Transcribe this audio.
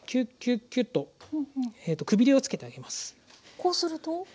こうすると？